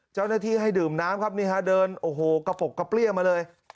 เจ้าหน้าที่ให้ดื่มน้ำเดินกระปกกระเปรี้ยวมาเลย